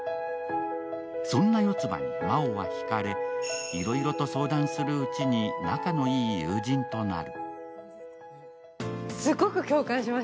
そんな四葉に真央はひかれ、いろいろと相談するうちに仲のいい友人となる。